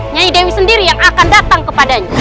nyai dewi sendiri yang akan datang kepadanya